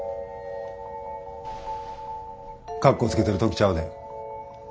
かっこつけてる時ちゃうで。